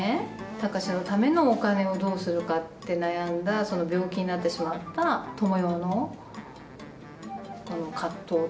高志のためのお金をどうするかって悩んだ病気になってしまった智代の藤と。